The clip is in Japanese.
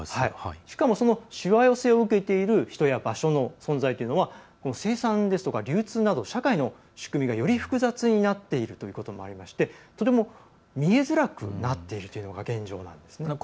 しかもそのしわ寄せを受けている人や場所の存在というのは生産ですとか流通など社会の仕組みがより複雑になっているということもありましてそれも見えづらくなっているのが現状なんですね。